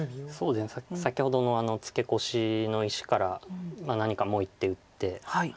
先ほどのあのツケコシの石から何かもう１手打って。